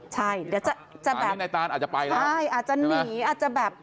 ใช่เดี๋ยวจะแบบอาจจะหนีอาจจะแบบ